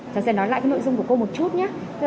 cháu sẽ nói lại nội dung của cô một chút nhé